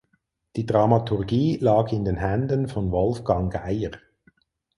Die Dramaturgie lag in den Händen von Wolfgang Geier.